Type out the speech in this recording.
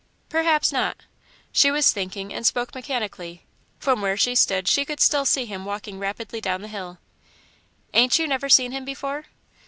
"Perhaps not." She was thinking, and spoke mechanically. From where she stood she could still see him walking rapidly down the hill. "Ain't you never seen him before?"